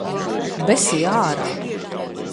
Besī ārā.